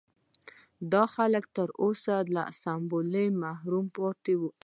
دا خلک تر اوسه له اسلامه محروم پاتې وو.